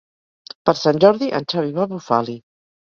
Per Sant Jordi en Xavi va a Bufali.